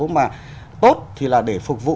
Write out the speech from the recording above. mà tốt thì là để phục vụ